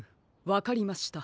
わかりました。